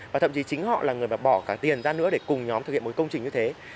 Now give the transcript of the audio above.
và thậm chí chính họ là người mà bỏ cả tiền ra nữa để cùng nhóm thực hiện một công trình như thế